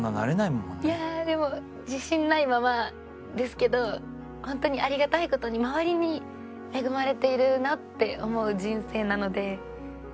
いやでも自信ないままですけど本当にありがたい事に周りに恵まれているなって思う人生なのでそれで。